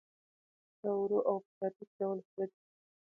دا ورو او په ثابت ډول سوځي